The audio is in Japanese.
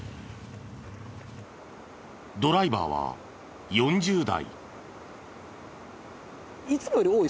ドライバーは４０代。